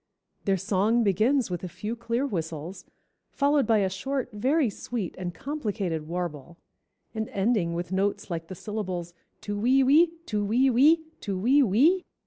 Their song begins with a few clear whistles, followed by a short, very sweet, and complicated warble, and ending with notes like the syllables tu we we, tu we we, tu we we.